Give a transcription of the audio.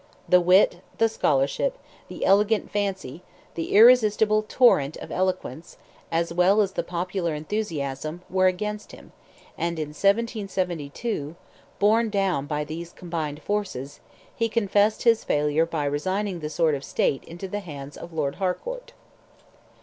The wit, the scholarship, the elegant fancy, the irresistible torrent of eloquence, as well as the popular enthusiasm, were against him, and in 1772, borne down by these combined forces, he confessed his failure by resigning the sword of state into the hands of Lord Harcourt.